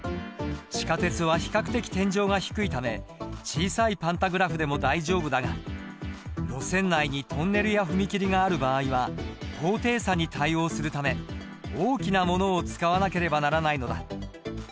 地下鉄は比較的天井が低いため小さいパンタグラフでも大丈夫だが路線内にトンネルや踏切がある場合は高低差に対応するため大きなものを使わなければならないのだ。